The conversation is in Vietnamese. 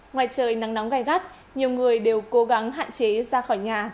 ngoài trời nắng nóng gai gắt nhiều người đều cố gắng hạn chế ra khỏi nhà